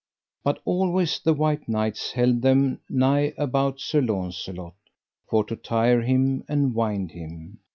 But always the white knights held them nigh about Sir Launcelot, for to tire him and wind him.